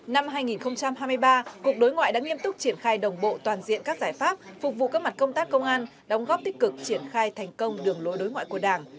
năm hai nghìn hai mươi ba cục đối ngoại đã nghiêm túc triển khai đồng bộ toàn diện các giải pháp phục vụ các mặt công tác công an đóng góp tích cực triển khai thành công đường lối đối ngoại của đảng